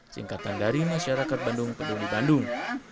singkatan dari masyarakat bandung peduli bandung